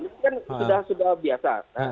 ini kan sudah sudah biasa